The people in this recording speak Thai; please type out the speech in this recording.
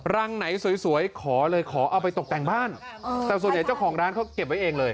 รังไหนสวยขอเลยขอเอาไปตกแต่งบ้านแต่ส่วนใหญ่เจ้าของร้านเขาเก็บไว้เองเลย